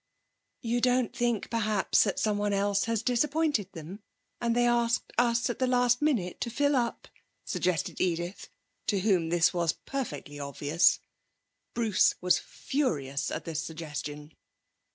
'You don't think, perhaps, that somebody else has disappointed them, and they asked us at the last minute, to fill up?' suggested Edith, to whom this was perfectly obvious. Bruce was furious at this suggestion.